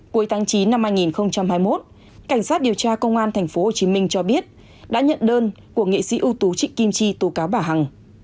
cuối tháng chín năm hai nghìn hai mươi một cảnh sát điều tra công an tp hcm cho biết đã nhận đơn của nghệ sĩ ưu tú trịnh kim chi tố cáo bà hằng